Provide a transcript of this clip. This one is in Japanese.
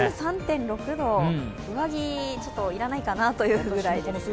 ２３．６度、上着、ちょっと要らないかなというぐらいです。